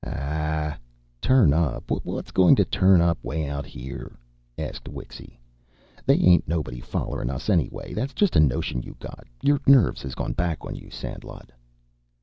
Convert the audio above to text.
"Ah, turn up! What's goin' to turn up 'way out here?" asked Wixy. "They ain't nobody follerin' us anyway. That's just a notion you got. Your nerves has gone back on you, Sandlot."